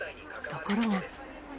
ところが。